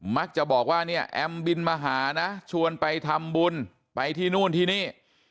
มักจะบอกว่าเนี่ยแอมบินมาหานะชวนไปทำบุญไปที่นู่นที่นี่